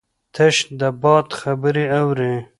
تش د باد خبرې اوري